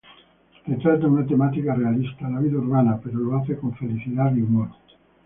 Retrata una temática realista, la vida urbana, pero lo hace con felicidad y humor.